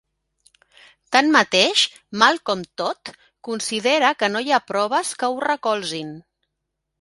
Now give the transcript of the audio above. Tanmateix, Malcolm Todd considera que no hi ha proves que ho recolzin.